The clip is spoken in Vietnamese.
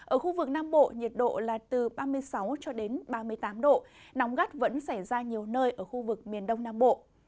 ở khu vực nam bộ nhiệt độ là từ ba mươi sáu cho đến ba mươi tám độ nóng gắt vẫn xảy ra nhiều nơi ở khu vực miền đông nam bộ